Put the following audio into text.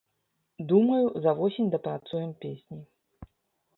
Думаю, за восень дапрацуем песні.